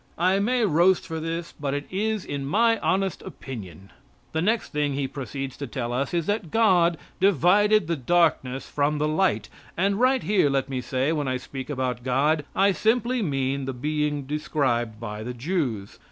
I may roast for this, but it is my honest opinion. The next thing he proceeds to tell us is that God divided the darkness from the light, and right here let me say when I speak about God I simply mean the being described by the Jews.